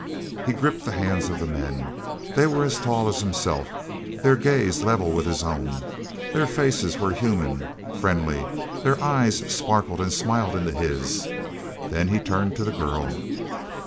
He gripped the hands of the men. They were as tall as himself, their gaze level with his own. Their faces were human, friendly; their eyes sparkled and smiled into his. Then he turned to the girl.